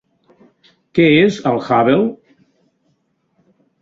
Què és el Hubble?